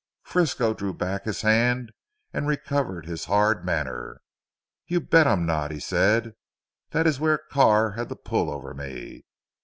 Frisco drew back his hand, and recovered his hard manner. "You bet I'm not," he said, "that is where Carr had the pull over me.